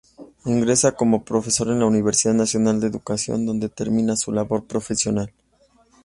Ingresa como profesor en la Universidad Nacional de Educación donde termina su labor profesional.